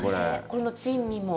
この珍味も。